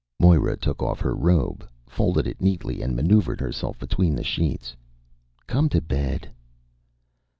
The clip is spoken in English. Moira took off her robe, folded it neatly, and maneuvered herself between the sheets. "Come to bed."